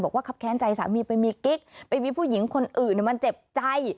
ครับแค้นใจสามีไปมีกิ๊กไปมีผู้หญิงคนอื่นมันเจ็บใจ